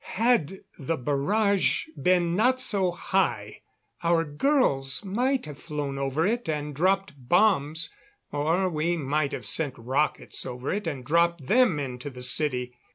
Had the barrage been not so high our girls might have flown over it and dropped bombs, or we might have sent rockets over it and dropped them into the city.